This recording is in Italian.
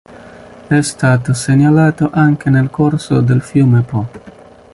È stato segnalato anche nel corso del fiume Po.